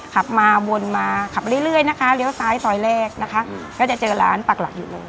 ขับมาวนมาขับมาเรื่อยนะคะเลี้ยวซ้ายซอยแรกนะคะก็จะเจอร้านปักหลักอยู่เลย